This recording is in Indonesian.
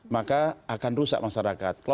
maka akan rusak masyarakat